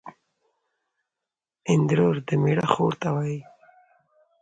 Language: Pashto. اندرور دمېړه خور ته وايي